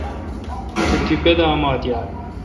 تو تیپہ دا اومات یالہ۔